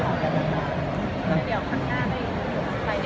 มีโครงการทุกทีใช่ไหม